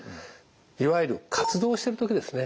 いわゆる活動をしてる時ですね。